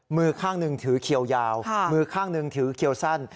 มือข้างหนึ่งถือเขียวยาวมือข้างหนึ่งถือเขียวสั้น